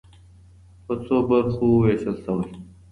په څو برخو وېشل سوی.